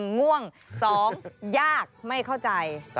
ง่วง๒ยากไม่เข้าใจ